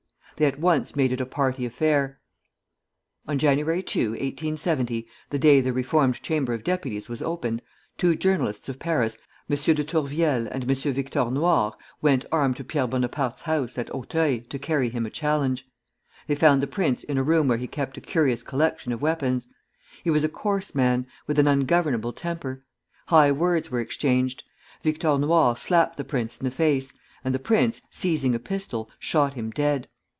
They at once made it a party affair. On Jan. 2, 1870, the day the reformed Chamber of Deputies was opened, two journalists of Paris, M. de Tourvielle and M. Victor Noir, went armed to Pierre Bonaparte's house at Auteuil to carry him a challenge. They found the prince in a room where he kept a curious collection of weapons. He was a coarse man, with an ungovernable temper. High words were exchanged. Victor Noir slapped the prince in the face, and the prince, seizing a pistol, shot him dead.